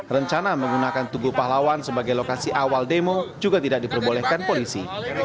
rencana menggunakan tugu pahlawan sebagai lokasi awal demo juga tidak diperbolehkan polisi